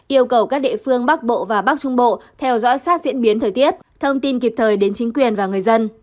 yêu cầu các địa phương bắc bộ và bắc trung bộ theo dõi sát diễn biến thời tiết thông tin kịp thời đến chính quyền và người dân